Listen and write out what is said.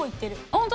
本当？